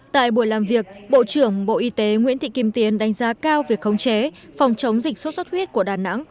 tại buổi làm việc bộ trưởng bộ y tế nguyễn thị kim tiến đánh giá cao việc khống chế phòng chống dịch sốt xuất huyết của đà nẵng